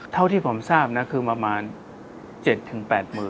เท่าที่ผมทราบนะคือประมาณ๗๘๐๐๐